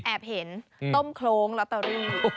เห็นต้มโครงลอตเตอรี่